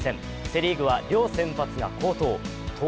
セ・リーグは両先発が好投。